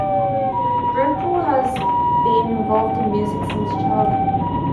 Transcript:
Rupel has been involved in music since childhood.